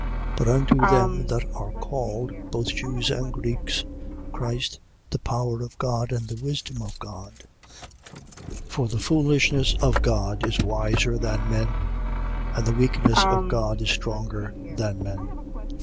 But unto them that are called, both Jews and Greeks, Christ, the power of God and the wisdom of God. 1:25. For the foolishness of God is wiser than men: and the weakness of God is stronger than men.